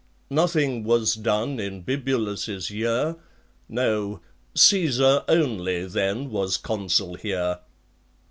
Nothing was done in Bibulus's year: No; Caesar only then was consul here.